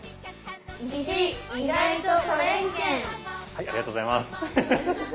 はいありがとうございますハハハッ。